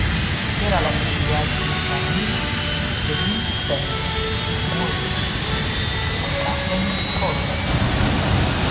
Era la figlia di Ismail Selim Bek Smol'skij e di Catherine Horvat.